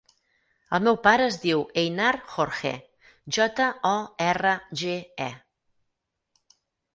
El meu pare es diu Einar Jorge: jota, o, erra, ge, e.